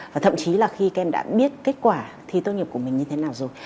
và thậm chí là khi các em đã biết kết quả thi tốt nghiệp của mình như thế nào rồi